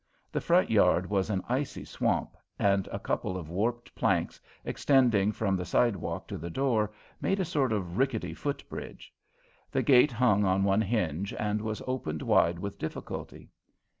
The front yard was an icy swamp, and a couple of warped planks, extending from the sidewalk to the door, made a sort of rickety footbridge. The gate hung on one hinge, and was opened wide with difficulty.